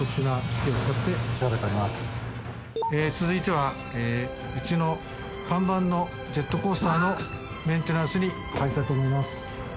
続いてはうちの看板のジェットコースターのメンテナンスに入りたいと思います